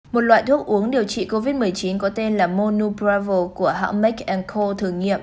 một loại thuốc uống điều trị covid một mươi chín có tên là monoubravel của hãng make thử nghiệm